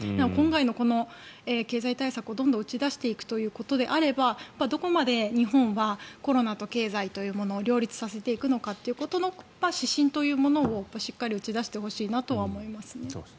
今回の経済対策をどんどん打ち出していくということであればどこまで日本はコロナと経済というものを両立させていくのかということの指針というものをしっかり打ち出してほしいなとは思いますね。